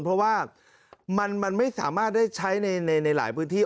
เพราะว่ามันไม่สามารถได้ใช้ในหลายพื้นที่